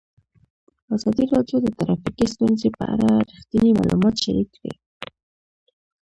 ازادي راډیو د ټرافیکي ستونزې په اړه رښتیني معلومات شریک کړي.